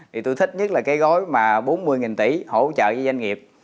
thì tôi thích nhất là cái gói mà bốn mươi tỷ hỗ trợ cho doanh nghiệp